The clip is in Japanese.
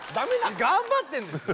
頑張ってんですよ